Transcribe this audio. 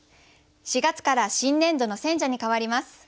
４月から新年度の選者にかわります。